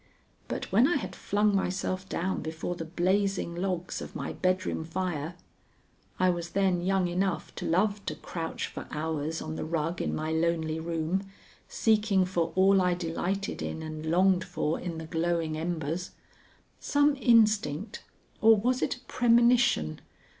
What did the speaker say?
But when I had flung myself down before the blazing logs of my bedroom fire (I was then young enough to love to crouch for hours on the rug in my lonely room, seeking for all I delighted in and longed for in the glowing embers), some instinct, or was it a premonition?